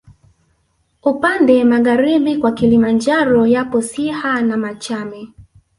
Upande magharibi kwa Kilimanjaro yapo Siha na Machame